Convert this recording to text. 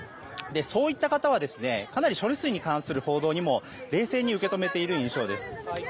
そういった方はかなり処理水に関する報道にも冷静に受け止めている印象です。